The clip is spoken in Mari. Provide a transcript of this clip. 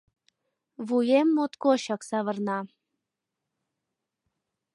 Вуем моткочак савырна.